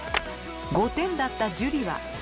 ５点だった樹は？